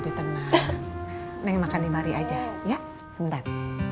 udah tenang neng makan di mari aja ya sebentar